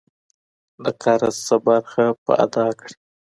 د قرض څه برخه په ادا کړي.